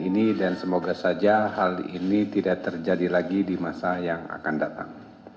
ini dan semoga saja hal ini tidak terjadi lagi di masa yang akan datang